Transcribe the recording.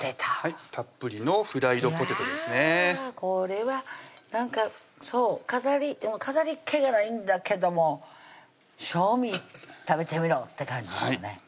これはなんかそう飾りっ気がないんだけども正味食べてみろって感じですね